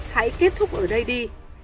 hãy kết thúc ở đây đi